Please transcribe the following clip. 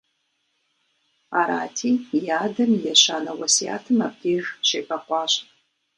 Арати, и адэм и ещанэ уэсятым абдеж щебэкъуащ.